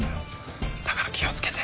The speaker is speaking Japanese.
だから気を付けて。